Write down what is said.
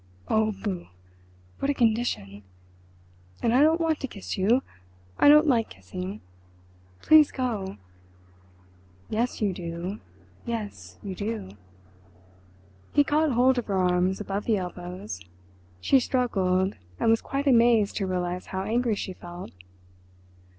"Oh, boo! What a condition! And I don't want to kiss you—I don't like kissing. Please go!" "Yes—you do!—yes, you do." He caught hold of her arms above the elbows. She struggled, and was quite amazed to realise how angry she felt.